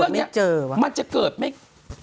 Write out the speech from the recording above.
คุณหนุ่มกัญชัยได้เล่าใหญ่ใจความไปสักส่วนใหญ่แล้ว